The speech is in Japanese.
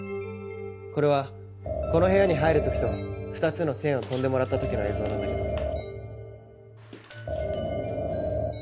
これはこの部屋に入る時と２つの線を跳んでもらった時の映像なんだけど。